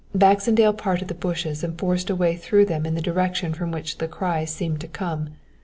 "Baxendale parted the bushes and forced a way through them in the direction from which the cries seemed to come.